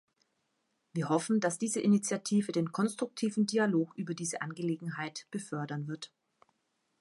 Wir hoffen, dass diese Initiative den konstruktiven Dialog über diese Angelegenheit befördern wird.